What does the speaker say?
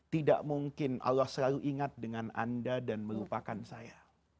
tidak mungkin allah selalu ingat dengan anda dan melupakan saya